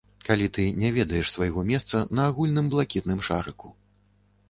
Калі ты не ведаеш свайго месца на агульным блакітным шарыку.